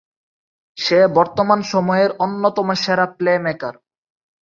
সে বর্তমান সময়ের অন্যতম সেরা প্লে-মেকার।